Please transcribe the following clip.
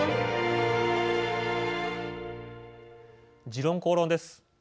「時論公論」です。